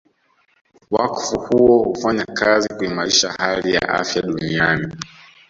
Wakfu huo hufanya kazi kuimarisha hali ya afya duniani